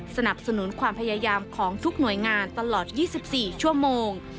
สนับสนุนความพยายามของทุกหน่วยงานตลอด๒๔ชั่วโมง